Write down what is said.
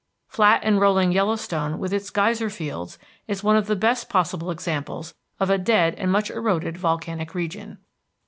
Flat and rolling Yellowstone with its geyser fields, is one of the best possible examples of a dead and much eroded volcanic region.